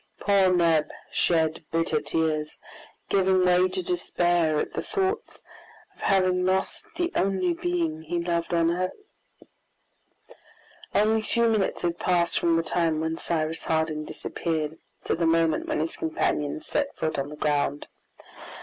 Poor Neb shed bitter tears, giving way to despair at the thought of having lost the only being he loved on earth. Only two minutes had passed from the time when Cyrus Harding disappeared to the moment when his companions set foot on the ground.